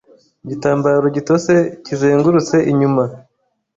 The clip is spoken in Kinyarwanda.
Igitambaro gitose kizengurutse inyuma